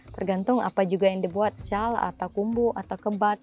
tergantung apa juga yang dibuat shal atau kumbu atau kebat